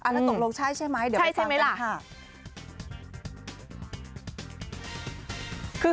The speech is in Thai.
แล้วตกลงใช่ใช่ไหมเดี๋ยวมาฟังกันค่ะคุณพลินใช่ใช่ไหมล่ะ